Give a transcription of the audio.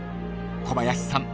［小林さん